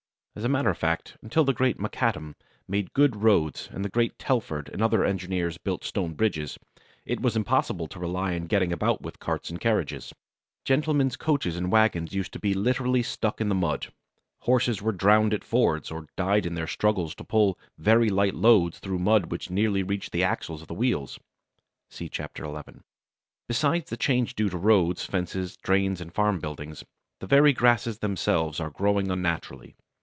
As a matter of fact, until the great Macadam made good roads and the great Telford and other engineers built stone bridges, it was impossible to rely on getting about with carts and carriages. Gentlemen's coaches and wagons used to be literally stuck in the mud! Horses were drowned at fords, or died in their struggles to pull very light loads through mud which nearly reached the axles of the wheels (see Chap. XI.). Besides the change due to roads, fences, drains, and farm buildings, the very grasses themselves are growing unnaturally.